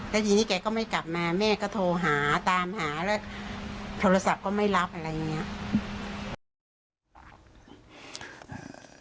แล้วทีนี้แกก็ไม่กลับมาแม่ก็โทรหาตามหาแล้วโทรศัพท์ก็ไม่รับอะไรอย่างนี้